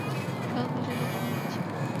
সহজ ভাষায়, বোকা বানিয়েছো।